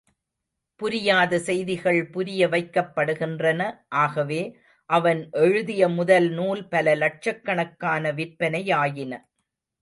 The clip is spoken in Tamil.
புரியாத செய்திகள் புரிய வைக்கப்படுகின்றன. ஆகவே, அவன் எழுதிய முதல் நூல் பல லட்சக்கணக் கான விற்பனை யாயின.